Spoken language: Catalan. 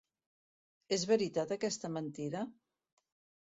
És veritat aquesta mentida?